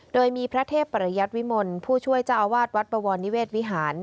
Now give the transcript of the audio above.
โดยมีพระเทพปริยัติวิมลผู้ช่วยเจ้าอาวาสวัดบวรนิเวศวิหาร